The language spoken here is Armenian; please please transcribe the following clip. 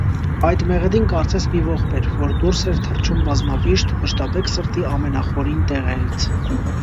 Այդ մեղեդին կարծես մի ողբ էր, որ դուրս էր թռչում բազմավիշտ, վշտաբեկ սրտի ամենախորին տեղերից: